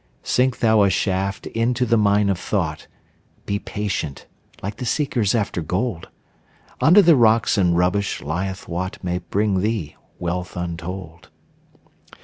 Sink thou a shaft into the mine of thought; Be patient, like the seekers after gold; Under the rocks and rubbish lieth what May bring thee wealth untold.